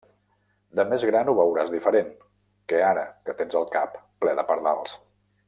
De més gran ho veuràs diferent, que ara tens el cap ple de pardals.